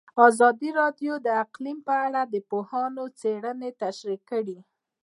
ازادي راډیو د اقلیم په اړه د پوهانو څېړنې تشریح کړې.